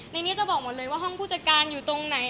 ในนี้จะบอกหมดเลยว่าห้องผู้จัดการอยู่ตรงไหน